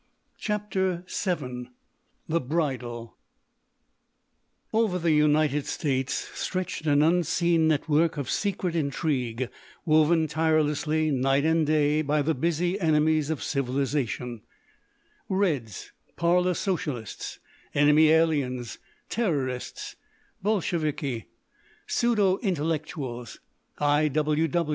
CHAPTER VII THE BRIDAL Over the United States stretched an unseen network of secret intrigue woven tirelessly night and day by the busy enemies of civilisation—Reds, parlour socialists, enemy aliens, terrorists, Bolsheviki, pseudo intellectuals, I.